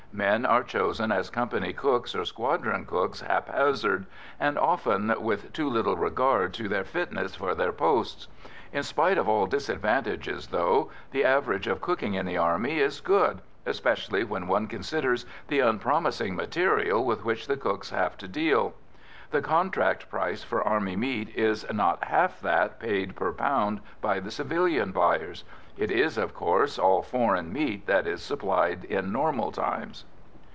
Men are chosen as company cooks or squadron cooks haphazard, and often with too little regard to their fitness for their posts. In spite of all disadvantages, though, the average of cooking in the Army is good, especially when one considers the unpromising material with which the cooks have to deal. The contract price for Army meat is not half that paid per pound by the civilian buyers; it is, of course, all foreign meat that is supplied in normal times.